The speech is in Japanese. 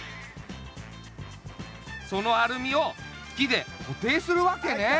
そのアルミを木でこていするわけね。